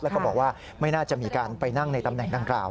แล้วก็บอกว่าไม่น่าจะมีการไปนั่งในตำแหน่งดังกล่าว